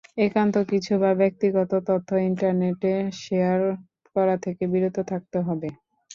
একান্ত কিছু বা ব্যক্তিগত তথ্য ইন্টারনেটে শেয়ার করা থেকে বিরত থাকতে হবে।